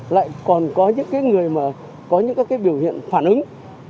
lại còn có những cái người mà có những các cái biểu hiện phản ứng